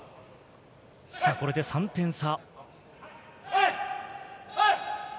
これで３点差。